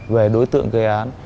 về đối tượng gây án